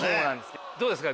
どうですか？